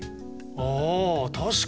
あ確かに！